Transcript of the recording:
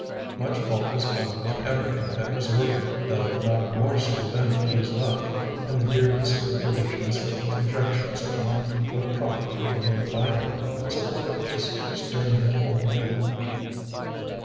Much fault was found with everything that was ordered, though not a morsel of anything was left, and the dearness of the provisions, with conjectures upon what profit was made by them, supplied discourse during the whole meal.